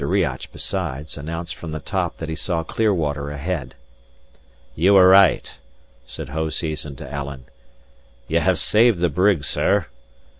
Riach, besides, announced from the top that he saw clear water ahead. "Ye were right," said Hoseason to Alan. "Ye have saved the brig, sir.